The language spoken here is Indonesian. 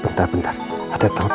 bentar bentar ada telepon